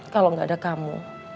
kalau gak ada kamu